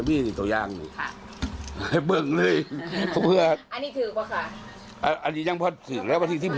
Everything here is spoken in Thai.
พอเค้าเป็ดดอกเงาะ๑๐บาท